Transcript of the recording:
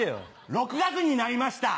６月になりました